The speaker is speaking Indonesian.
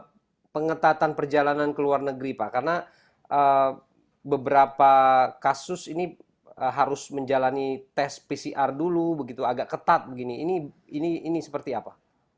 bagaimana pengetatan perjalanan ke luar negeri pak karena beberapa kasus ini harus menjalani tes pcr dulu begitu agak ketat begini ini seperti apa